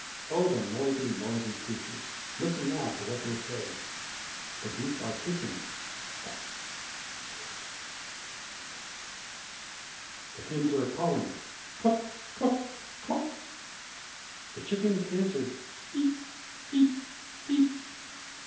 Oh! the noisy, noisy creatures, Listen now to what they say. The geese are hissing "Sss, sss, sss!" The hens are calling "Cluck, cluck, cluck!" The chickens answer "Peep, peep, peep!"